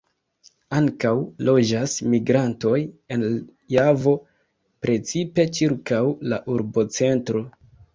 Ankaŭ loĝas migrantoj el Javo precipe ĉirkaŭ la urbocentro.